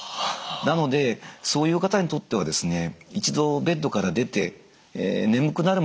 なのでそういう方にとってはですね一度ベッドから出て眠くなるまで寝室に行かない